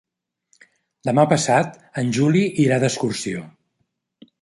Demà passat en Juli irà d'excursió.